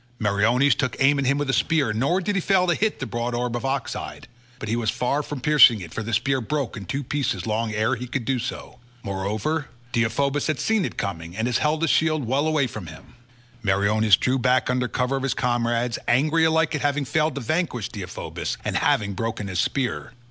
Meriones took aim at him with a spear, nor did he fail to hit the broad orb of ox hide; but he was far from piercing it for the spear broke in two pieces long ere he could do so; moreover Deiphobus had seen it coming and had held his shield well away from him. Meriones drew back under cover of his comrades, angry alike at having failed to vanquish Deiphobus, and having broken his spear.